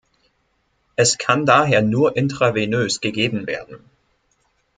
Es kann daher nur intravenös gegeben werden.